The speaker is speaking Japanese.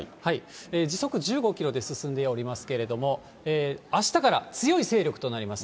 時速１５キロで進んでおりますけれども、あしたから強い勢力となります。